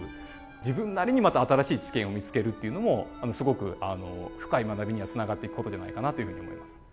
自分なりにまた新しい知見を見つけるっていうのもすごく深い学びにはつながっていく事じゃないかなというふうに思います。